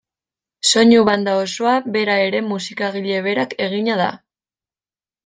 Soinu banda osoa bera ere musikagile berak egina da.